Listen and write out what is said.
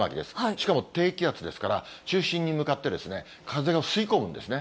しかも低気圧ですから、中心に向かって風を吸い込むんですね。